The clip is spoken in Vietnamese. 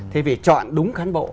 thì phải chọn đúng cán bộ